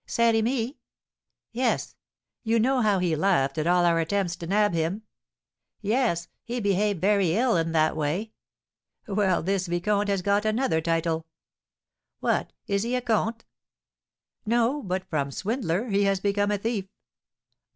"Saint Remy?" "Yes; you know how he laughed at all our attempts to 'nab' him?" "Yes; he behaved very ill in that way." "Well, this vicomte has got another title." "What, is he a comte?" "No, but from swindler he has become thief!"